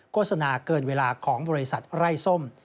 โฆษณาเกินเวลาของบริษัทไร้ส้ม